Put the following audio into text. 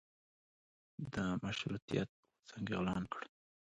د مشروطیت غورځنګ اعلان کړ.